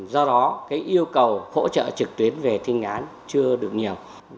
do đó yêu cầu hỗ trợ trực tuyến về thi hành án chưa được nhiều